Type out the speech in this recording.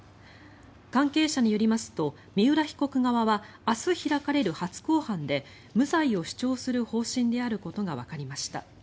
関係者によりますと三浦被告側は明日開かれる初公判で無罪を主張する方針であることがわかりました。